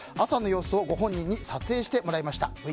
朝の様子をご本人に撮影してもらいました。